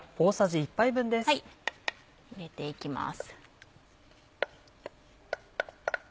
入れていきます。